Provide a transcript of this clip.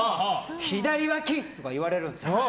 左わき！とか言われるんです。